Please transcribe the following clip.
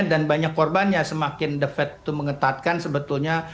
dan banyak korban ya semakin the fed itu mengetatkan sebetulnya